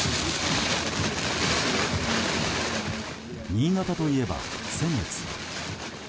新潟といえば、先月。